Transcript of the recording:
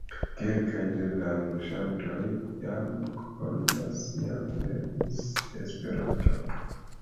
Kelkaj de la loĝantoj jam konas kaj lernis Esperanton.